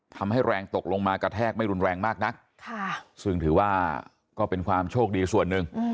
ทำให้แรงตกลงมากระแทกไม่รุนแรงมากนักซึ่งถือว่าก็เป็นความโชคดีส่วนหนึ่ง